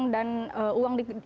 dan iya uang dan